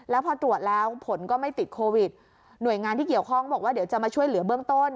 แล้วพอตรวจแล้วผลก็ไม่ติดโควิดหน่วยงานที่เกี่ยวข้องบอกว่าเดี๋ยวจะมาช่วยเหลือเบื้องต้น